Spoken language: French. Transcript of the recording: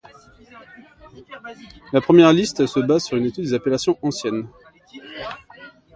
La première liste se base sur une étude des appellations anciennes.